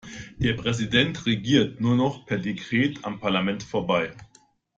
Der Präsident regiert nur noch per Dekret am Parlament vorbei.